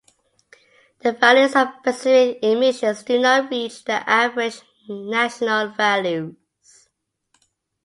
The values of specific emissions do not reach the average national values.